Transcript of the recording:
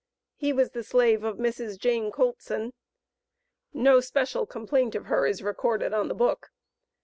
He was the slave of Mrs. Jane Coultson. No special complaint of her is recorded on the book.